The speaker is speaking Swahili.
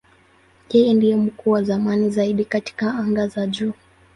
Yeye ndiye mtu wa zamani zaidi katika anga za juu.